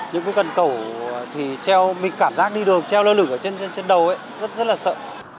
những cái cần cầu thì treo mình cảm giác đi đường treo lơ lửng ở trên đầu ấy rất rất là sợ